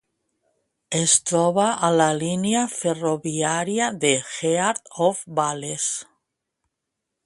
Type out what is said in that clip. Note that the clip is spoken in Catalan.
Es troba a la línia ferroviària de Heart of Wales.